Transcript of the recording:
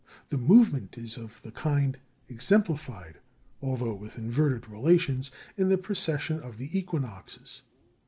The movement is of the kind exemplified although with inverted relations in the precession of the equinoxes.